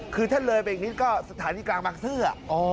คือถ้าเลยไปอีกนิดก็สถานีกลางบางซื่อ